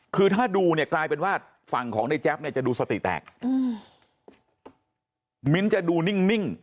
คือถ้าดูเนี่ยกลายเป็นว่าฝั่งของในแจ๊บเนี่ยจะดูสติแตกอืมมิ้นท์จะดูนิ่ง